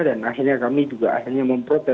dan akhirnya kami juga memperoleh